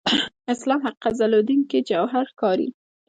اسلام حقیقت ځلېدونکي جوهر ښکاري.